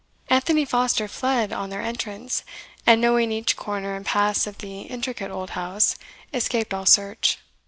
Anthony Foster fled on their entrance, and knowing each corner and pass of the intricate old house, escaped all search.